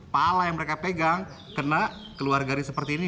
pala yang mereka pegang kena keluar garis seperti ini